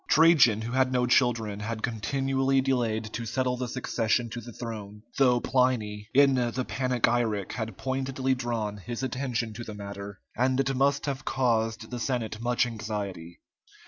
Trajan, who had no children, had continually delayed to settle the succession to the throne, though Pliny, in the "Panegyric" had pointedly drawn his attention to the matter, and it must have caused the Senate much anxiety.